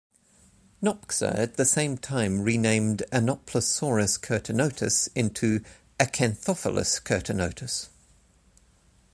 Nopcsa at the same time renamed "Anoplosaurus curtonotus" into "Acanthopholis curtonotus".